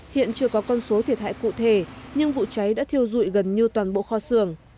hiện chưa có con số thiệt hại cụ thể nhưng vụ cháy đã thiêu dụi gần như toàn bộ kho xưởng